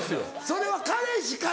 それは彼氏か？